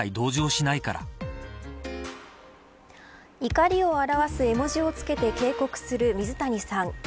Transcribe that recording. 怒りを表す絵文字をつけて警告した水谷さん。